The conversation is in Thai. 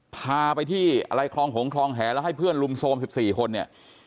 พาไปที่อะไรคลองหงคลองแหแล้วให้เพื่อนลุมโทรม๑๔คนเนี่ย